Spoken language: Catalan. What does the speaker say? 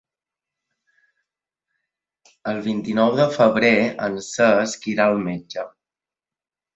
El vint-i-nou de febrer en Cesc irà al metge.